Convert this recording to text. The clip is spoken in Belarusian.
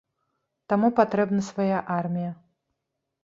Таму патрэбна свая армія.